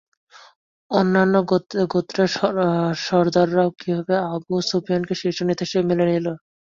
অন্যান্য গোত্রের সরদাররাও কিভাবে আবু সুফিয়ানকে শীর্ষ নেতা হিসেবে মেনে নিল?